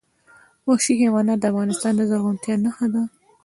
وحشي حیوانات د افغانستان د زرغونتیا نښه ده.